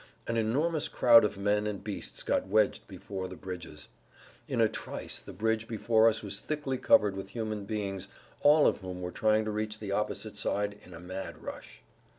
An enormous crowd of men and beasts got wedged before the bridges. In a trice the bridge before us was thickly covered with human beings all of whom were trying to reach the opposite side in a mad rush.